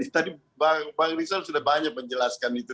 tadi bang rizal sudah banyak menjelaskan itu